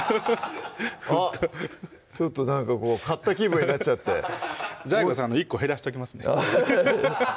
あっちょっとなんかこう買った気分になっちゃってＤＡＩＧＯさんの１個減らしときますね